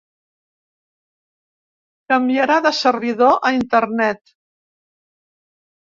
Canviarà de servidor a internet.